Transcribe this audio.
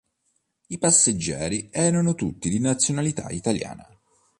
I passeggeri erano tutti di nazionalità italiana.